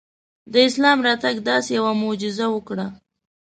د اسلام راتګ داسې یوه معجزه وکړه.